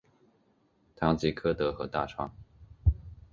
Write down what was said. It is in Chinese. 唐吉柯德和大创